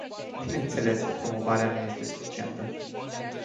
Bineînțeles că promovarea nu este suficientă.